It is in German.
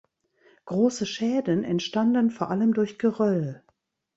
Große Schäden entstanden vor allem durch Geröll.